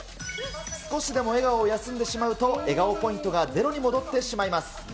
少しでも笑顔を休んでしまうと、笑顔ポイントが０に戻ってしまいます。